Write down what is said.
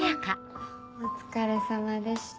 お疲れさまでした。